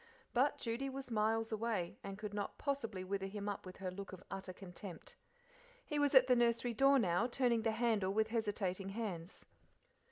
But Judy was miles away, and could not possibly wither him up with her look of utter contempt. He was at the nursery door now, turning the handle with hesitating hands.